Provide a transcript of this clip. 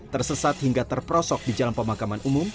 tersesat hingga terperosok di jalan pemakaman umum